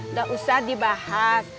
nggak usah dibahas